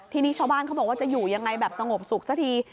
ทีนี้ชาวบ้านเขาบอกว่าจะอยู่ยังไงแบบสงบสุขสักที